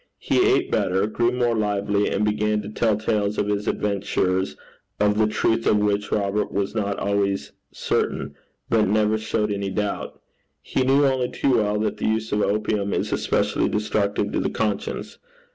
He ate better, grew more lively, and began to tell tales of his adventures, of the truth of which Robert was not always certain, but never showed any doubt. He knew only too well that the use of opium is especially destructive to the conscience.